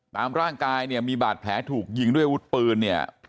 ตามร่างกายเนี่ยมีบาดแผลถูกยิงด้วยอาวุธปืนเนี่ย